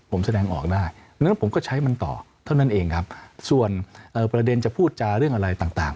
ผมแสดงออกได้ดังนั้นผมก็ใช้มันต่อเท่านั้นเองครับส่วนเอ่อประเด็นจะพูดจาเรื่องอะไรต่าง